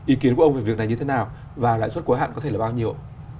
ý kiến của ông về việc này như thế nào và lãi suất quá hạn có thể là bao nhiêu